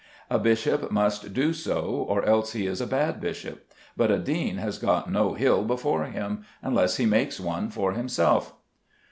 A bishop must do so, or else he is a bad bishop; but a dean has got no hill before him, unless he makes one for himself.